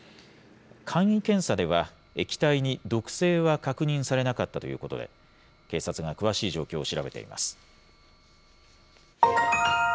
簡易検査では、液体に毒性は確認されなかったということで、警察が詳しい状況を調べています。